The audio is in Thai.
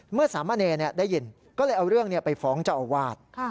สามเณรได้ยินก็เลยเอาเรื่องไปฟ้องเจ้าอาวาส